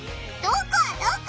どこ？